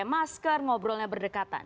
pakai masker ngobrolnya berdekatan